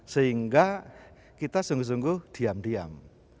sehingga kita sungguh sungguh diam diam